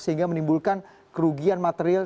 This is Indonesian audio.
sehingga menimbulkan kerugian material